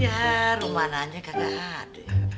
ya rumah nanya kagak ada